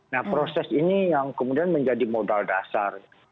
nah proses ini yang kemudian menjadi modal dasar